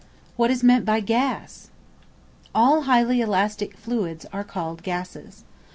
What is meant by Gas? All highly elastic fluids are called gases.